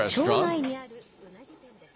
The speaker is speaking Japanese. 町内にあるうなぎ店です。